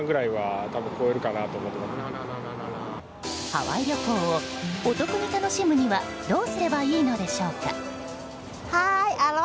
ハワイ旅行をお得に楽しむにはどうすればいいのでしょうか。